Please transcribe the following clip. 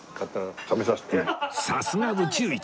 さすが宇宙一！